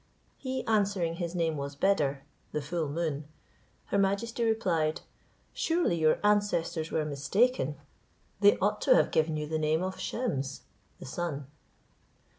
He answering his name was Beder (the full moon), her majesty replied, "Surely your ancestors were mistaken, they ought to have given you the name of Shems (the sun)."